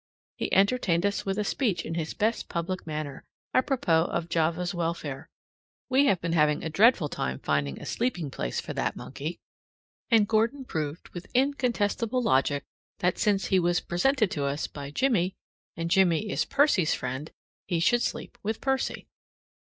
He entertained us with a speech in his best public manner, apropos of Java's welfare. We have been having a dreadful time finding a sleeping place for that monkey, and Gordon proved with incontestable logic that, since he was presented to us by Jimmie, and Jimmie is Percy's friend, he should sleep with Percy.